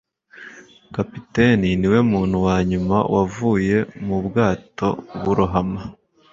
kapiteni niwe muntu wa nyuma wavuye mu bwato burohama